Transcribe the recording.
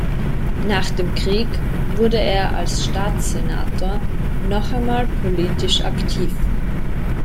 Nach dem Krieg wurde er als Staatssenator noch einmal politisch aktiv.